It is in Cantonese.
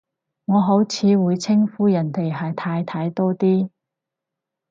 我好似會稱呼人哋係太太多啲